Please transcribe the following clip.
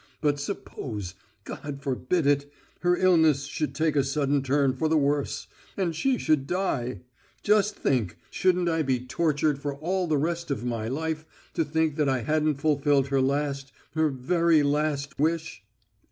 But suppose ... God forbid it!... her illness should take a sudden turn for the worse ... and she should die! Just think shouldn't I be tortured for all the rest of my life to think that I hadn't fulfilled her last, her very last wish!"